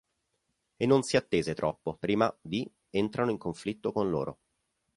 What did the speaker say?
E non si attese troppo prima di entrano in conflitto con loro.